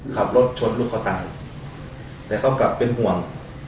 ขับรถชนลูกเขาตายแต่เขากลับเป็นห่วง